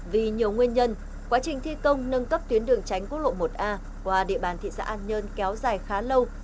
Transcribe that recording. vì nhiều nguyên nhân quá trình thi công nâng cấp tuyến đường tránh quốc lộ một a qua địa bàn thị xã an nhơn kéo dài khá lâu